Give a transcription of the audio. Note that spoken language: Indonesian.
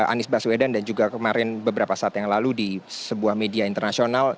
anies baswedan dan juga kemarin beberapa saat yang lalu di sebuah media internasional